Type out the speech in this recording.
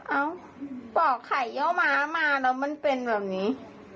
เอ้าปอกไข่ย่อม้ามาแล้วมันเป็นแบบนี้